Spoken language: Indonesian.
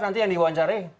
nanti yang diwawancari